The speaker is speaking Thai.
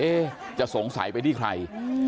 จะสงสัยไปที่ใคร